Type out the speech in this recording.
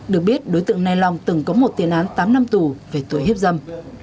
được biết đối tượng nay long từng có một tiền án tám năm tù về tuổi hiếp dâm